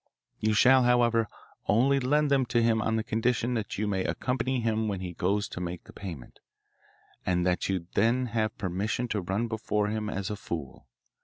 You shall, however, only lend them to him on condition that you may accompany him when he goes to make the payment, and that you then have permission to run before him as a fool.